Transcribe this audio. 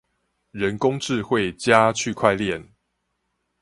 人工智慧加區塊鏈